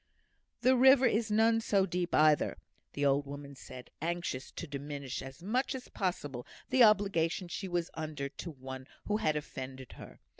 "The river is none so deep, either," the old woman said, anxious to diminish as much as possible the obligation she was under to one who had offended her.